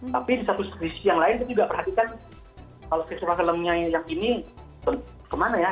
tapi di satu sisi yang lain kita juga perhatikan kalau visual filmnya yang ini kemana ya